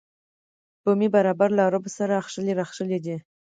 بومي بربر له عربو سره اخښلي راخښلي دي.